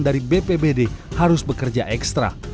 dari bpbd harus bekerja ekstra